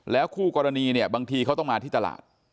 คู่กรณีเนี่ยบางทีเขาต้องมาที่ตลาด